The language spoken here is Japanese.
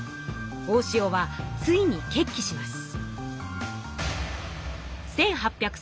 大塩はついに決起します。